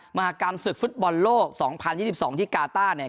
มหากรรมศึกฟุตบอลโลกสองพันยี่สิบสองที่กาต้าเนี่ย